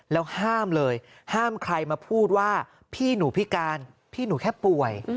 แล้วห้ามเลยห้ามใครมาพูดว่าพี่หนูพิการพี่หนูแค่ป่วย